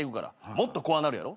もっと怖なるやろ？